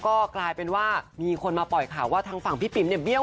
ก็กลายเป็นว่ามีคนมาปล่อยข่าวว่าทางฝั่งพี่ปิ๋มเนี่ยเบี้ย